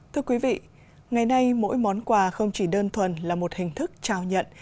thưa quý vị ngày nay mỗi món quà không chỉ đơn thuần là một hình thức trao nhận